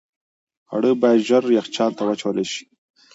خواړه باید ژر یخچال ته واچول شي.